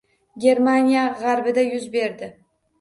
Germaniya gʻarbida yuz berdi